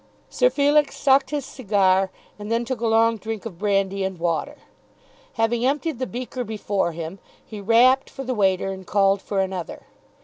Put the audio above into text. Sir Felix sucked his cigar and then took a long drink of brandy and water. Having emptied the beaker before him, he rapped for the waiter and called for another.